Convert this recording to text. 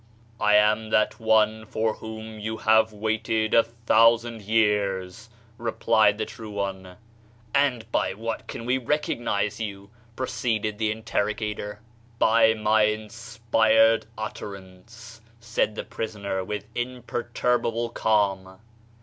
"I am that one for whom you have waited a thousand years," replied the True One. "And by what can we recognize you," pro ceeded the interrogator. 32 THE SHINING PATHWAY "By my inspired utterance," said the pris oner with imperturbable calm.